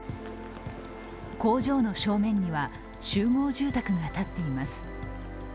工場の正面には集合住宅が建っています。